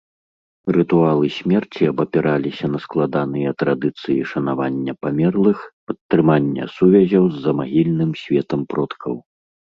Рытуалы смерці абапіраліся на складаныя традыцыі шанавання памерлых, падтрымання сувязяў з замагільным светам продкаў.